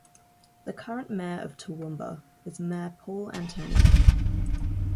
The current Mayor of Toowoomba is Mayor Paul Antonio.